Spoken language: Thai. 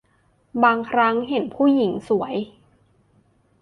บางครั้งเห็นผู้หญิงสวย